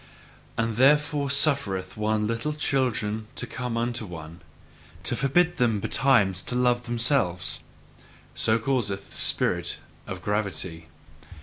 And therefore suffereth one little children to come unto one, to forbid them betimes to love themselves so causeth the spirit of gravity.